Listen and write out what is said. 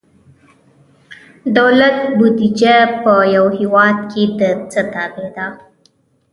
دولت بودیجه په یو هیواد کې د څه تابع ده؟